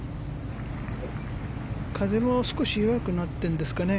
風も少し弱くなっているんですかね。